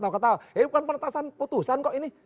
tahu tahu ini bukan penetasan putusan kok ini